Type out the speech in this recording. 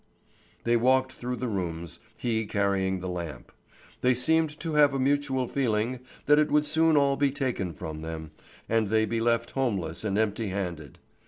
They walked through the rooms, he carrying the lamp. They seemed to have a mutual feeling that it would soon all be taken from them, and they be left homeless and empty handed.